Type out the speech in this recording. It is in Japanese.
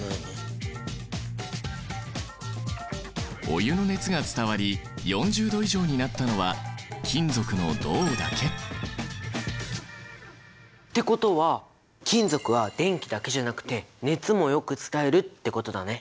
お湯の熱が伝わり４０℃以上になったのは金属の銅だけ。ってことは金属は電気だけじゃなくて熱もよく伝えるってことだね！